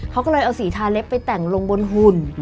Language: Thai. เขาก็เลยเอาสีทาเล็บไปแต่งลงบนหุ่น